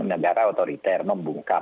negara otoriter membungkam